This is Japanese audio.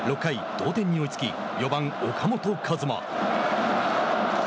同点に追いつき、４番岡本和真。